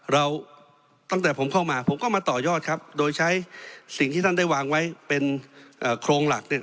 เราตั้งแต่ผมเข้ามาผมก็มาต่อยอดครับโดยใช้สิ่งที่ท่านได้วางไว้เป็นโครงหลักเนี่ย